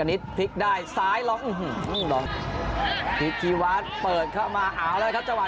อินโดนีเซียขึ้นมา